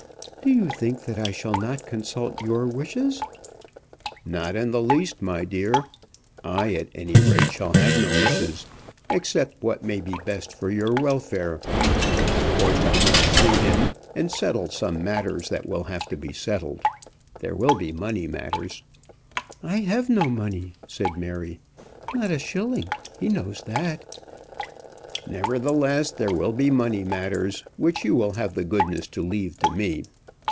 "Do you think that I shall not consult your wishes?" "Not in the least, my dear. I, at any rate, shall have no wishes, except what may be best for your welfare. Of course I must see him, and settle some matters that will have to be settled. There will be money matters." "I have no money," said Mary, "not a shilling! He knows that." "Nevertheless there will be money matters, which you will have the goodness to leave to me.